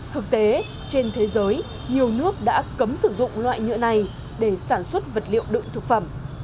thực tế trên thế giới nhiều nước đã cấm sử dụng loại nhựa này để sản xuất vật liệu đựng thực phẩm